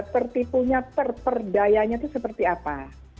tertipunya terperdayanya itu seperti apa